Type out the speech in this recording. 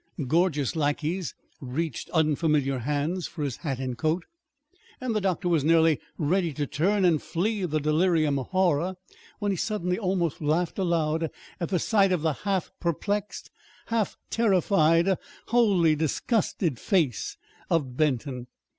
Gorgeous lackeys reached unfamiliar hands for his hat and coat, and the doctor was nearly ready to turn and flee the delirium of horror, when he suddenly almost laughed aloud at sight of the half perplexed, half terrified, wholly disgusted face of Benton.